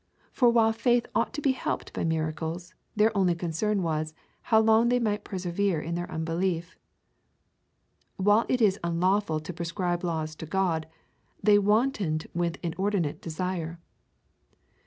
For while faith ought to be helped by miracles, their only concern was, how long they might persevere in their unbelief While it is unlawful to prescribe laws to God, they wantoned with inordinate desire.